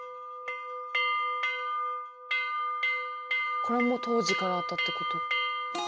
これも当時からあったってこと？